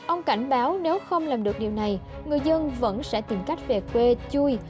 ông cảnh báo nếu không làm được điều này người dân vẫn sẽ tìm cách về quê chui